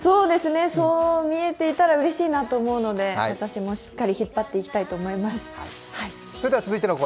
そう見えていたとしたらうれしいので私もしっかり引っ張っていきたいと思います。